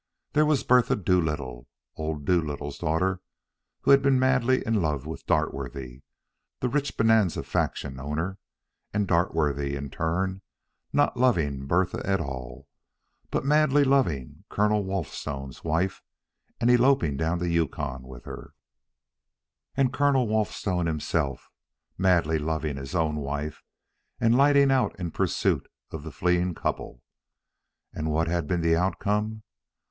There was Bertha Doolittle, old Doolittle's daughter, who had been madly in love with Dartworthy, the rich Bonanza fraction owner; and Dartworthy, in turn, not loving Bertha at all, but madly loving Colonel Walthstone's wife and eloping down the Yukon with her; and Colonel Walthstone himself, madly loving his own wife and lighting out in pursuit of the fleeing couple. And what had been the outcome?